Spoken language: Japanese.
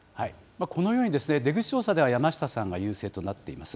このように出口調査では山下さんが優勢となっています。